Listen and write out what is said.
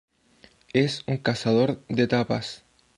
Es un cazador de etapas.